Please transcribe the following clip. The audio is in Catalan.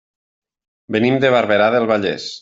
Venim de Barberà del Vallès.